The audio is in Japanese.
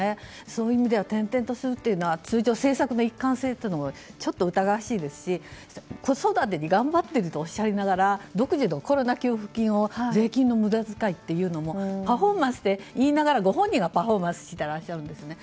そういう意味では転々とするというのは通常、政策の一貫性が疑わしいですし子育てに頑張っているとおっしゃりながら独自のコロナ給付金を税金の無駄遣いというのもパフォーマンスと言いながらもご本人がパフォーマンスしてらっしゃるんですね。